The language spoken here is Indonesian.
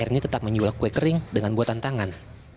ernie tetap menyulap kue kering dengan buatan tangan